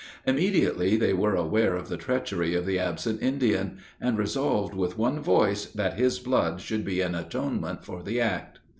Immediately they were aware of the treachery of the absent Indian, and resolved with one voice that his blood should be an atonement for the act.